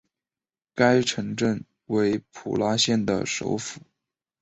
该城镇为普拉县的首府。